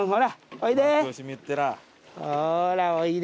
ほらおいで。